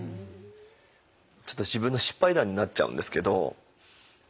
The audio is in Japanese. ちょっと自分の失敗談になっちゃうんですけど。